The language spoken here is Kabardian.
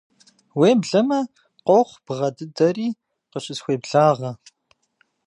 Уеблэмэ, къохъу бгъэ дыдэри къыщысхуеблагъэ.